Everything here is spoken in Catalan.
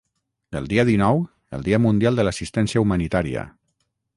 el dia dinou el dia mundial de l'assistència humanitària